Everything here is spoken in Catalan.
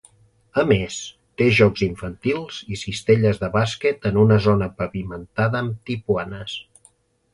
A més té jocs infantils i cistelles de bàsquet en una zona pavimentada amb tipuanes.